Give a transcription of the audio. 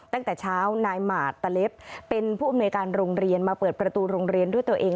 ตั้งแต่เช้านายหมาดตะเล็บเป็นผู้อำนวยการโรงเรียนมาเปิดประตูโรงเรียนด้วยตัวเอง